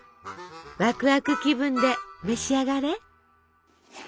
ワクワク気分で召し上がれ！